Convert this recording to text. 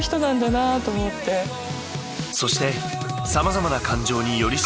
そしてさまざまな感情に寄り添う涙。